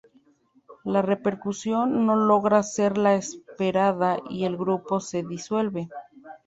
La repercusión no logra ser la esperada y el grupo se disuelve.